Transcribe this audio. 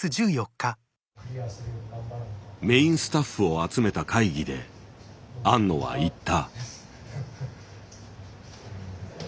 メインスタッフを集めた会議で庵野は言った。